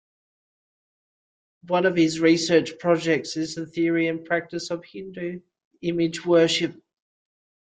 One of his research projects is the theory and practice of Hindu image-worship.